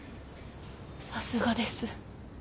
さすがです。